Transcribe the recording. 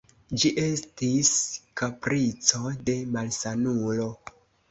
Ĝi estis kaprico de malsanulo.